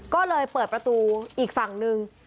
ก็เลยเปิดประตูอีกฝั่งนึง